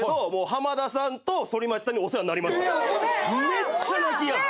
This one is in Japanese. めっちゃ泣きやむ。